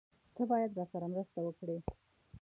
تۀ باید راسره مرسته وکړې!